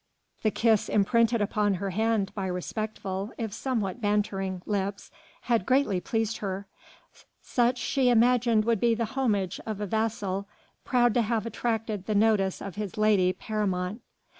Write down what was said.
The kiss imprinted upon her hand by respectful, if somewhat bantering, lips had greatly pleased her: such she imagined would be the homage of a vassal proud to have attracted the notice of his lady paramount.